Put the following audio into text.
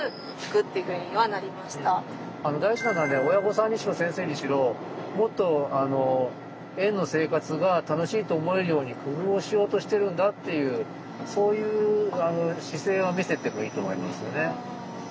親御さんにしろ先生にしろもっと園の生活が楽しいと思えるように工夫をしようとしてるんだっていうそういうあの姿勢は見せてもいいと思いますよね。